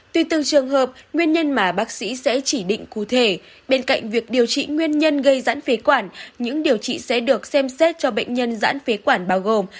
tuy từng trường hợp nguyên nhân mà bác sĩ sẽ chỉ định cụ thể bên cạnh việc điều trị nguyên nhân gây giãn phế quản những điều trị sẽ được xem xét cho bệnh nhân giãn phế quản bao gồm